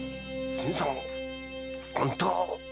新さんあんた。